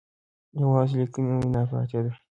یوازې لیکلې وینا پاتې ده.